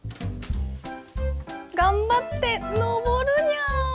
頑張って上るにゃ。